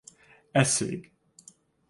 Essig.